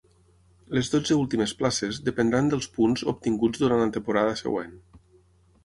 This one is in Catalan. Les dotze últimes places dependran dels punts obtinguts durant la temporada següent.